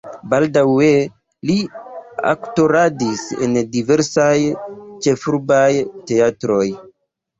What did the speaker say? Baldaŭe li aktoradis en diversaj ĉefurbaj teatroj.